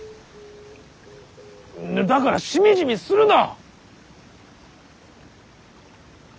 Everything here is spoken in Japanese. だからしみじみするな！